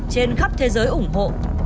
trên khắp thế giới ủng hộ